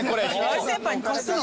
大先輩に貸すの？